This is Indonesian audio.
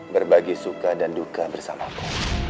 berbagi suka dan duka bersamaku